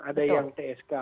ada yang tsk